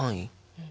うん。